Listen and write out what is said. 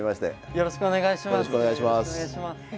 よろしくお願いします。